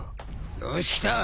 よしきた！